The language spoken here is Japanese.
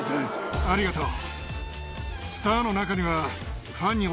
ありがとう。